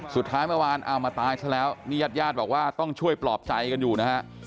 สุดท้ายเมื่อวานเอามาตายซะแล้วนี่ญาติญาติบอกว่าต้องช่วยปลอบใจกันอยู่นะฮะ